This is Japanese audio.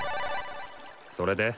それで？